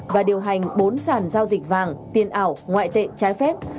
và điều hành bốn sản giao dịch vàng tiền ảo ngoại tệ trái phép